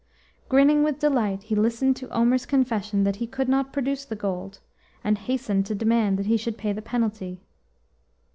Grinning with delight, he listened to Omer's confession that he could not produce the gold, and hastened to demand that he should pay the penalty.